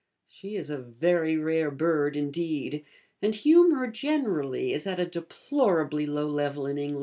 She is a very rare bird indeed, and humour generally is at a deplorably low level in England.